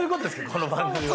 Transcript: この番組は。